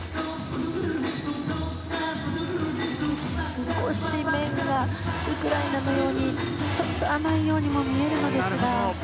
少し面がウクライナのようにちょっと甘いようにも見えるんですが。